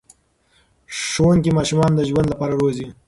ښوونکي ماشومان د ژوند لپاره روزي.